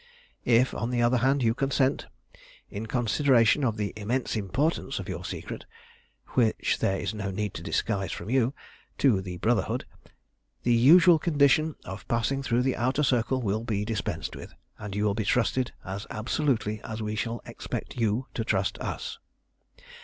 "If, on the other hand, you consent, in consideration of the immense importance of your secret which there is no need to disguise from you to the Brotherhood, the usual condition of passing through the Outer Circle will be dispensed with, and you will be trusted as absolutely as we shall expect you to trust us.